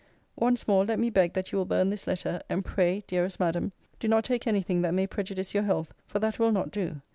Once more let me beg that you will burn this letter; and, pray, dearest Madam, do not take any thing that may prejudice your health: for that will not do.